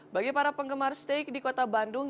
bagi para penggemar steak di kota bandung